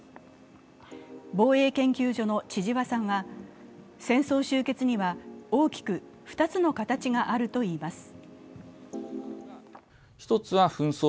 防衛研究所の千々和さんは戦争終結には大きく２つの形があると言います。